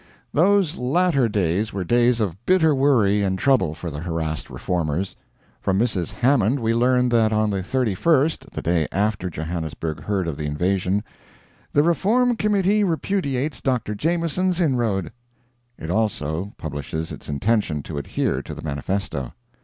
Those latter days were days of bitter worry and trouble for the harassed Reformers. From Mrs. Hammond we learn that on the 31st (the day after Johannesburg heard of the invasion), "The Reform Committee repudiates Dr. Jameson's inroad." It also publishes its intention to adhere to the Manifesto.